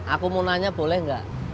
aku mau nanya boleh nggak